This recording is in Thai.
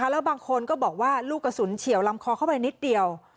แล้วบางคนก็บอกว่าลูกกระสุนเฉียวลำคอเข้าไปนิดเดียว